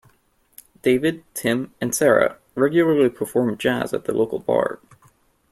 David, Tim and Sarah regularly perform jazz at the local bar.